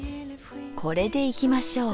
これでいきましょう。